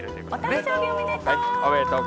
お誕生日おめでとう。